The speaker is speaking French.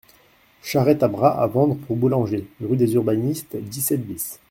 Charrette à bras à vendre pour boulanger, rue des Urbanistes, dix-sept bis.